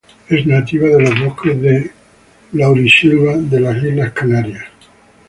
Es nativa de los bosques de laurisilva de las Islas Canarias.